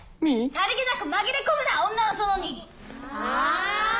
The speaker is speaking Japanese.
さりげなく紛れ込むな女の園にあー！